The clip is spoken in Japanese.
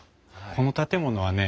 この建物はね